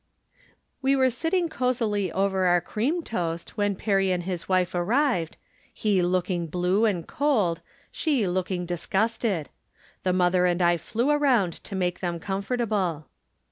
We were sitting cosUy over our cream toast, when Perry and his wife arrived, he look ing blue and cold, she looking disgusted. The mother and I flew around to make them comfort able.